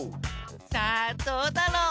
さあどうだろう？